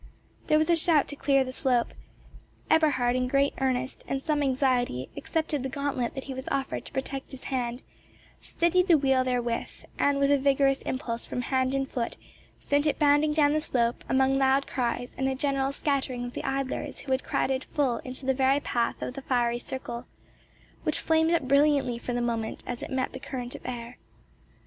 There was a shout to clear the slope. Eberhard, in great earnest and some anxiety, accepted the gauntlet that he was offered to protect his hand, steadied the wheel therewith, and, with a vigorous impulse from hand and foot, sent it bounding down the slope, among loud cries and a general scattering of the idlers who had crowded full into the very path of the fiery circle, which flamed up brilliantly for the moment as it met the current of air.